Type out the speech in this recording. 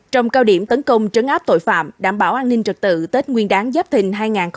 trong cao điểm tấn công trấn áp tội phạm đảm bảo an ninh trật tự tết nguyên đáng giáp thình hai nghìn hai mươi bốn